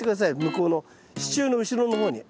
向こうの支柱の後ろの方に。